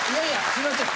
すいません。